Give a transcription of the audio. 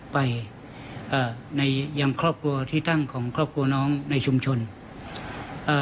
เอ่อในยังครอบครัวที่ตั้งของครอบครัวน้องในชุมชนเอ่อ